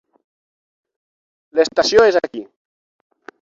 L'estació és aquí.